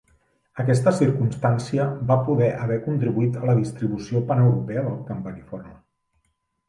Aquesta circumstància va poder haver contribuït a la distribució paneuropea del campaniforme.